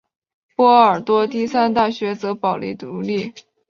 波尔多第三大学则保持独立。